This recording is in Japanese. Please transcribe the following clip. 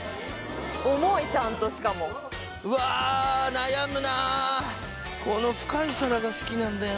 重いちゃんとしかもうわ悩むなこの深い皿が好きなんだよ